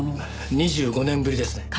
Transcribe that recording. ２５年ぶりですね。